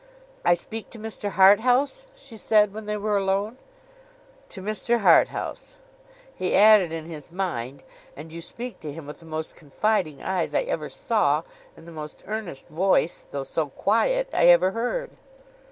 'I speak to Mr. Harthouse?' she said, when they were alone. 'To Mr. Harthouse.' He added in his mind, 'And you speak to him with the most confiding eyes I ever saw, and the most earnest voice (though so quiet) I ever heard.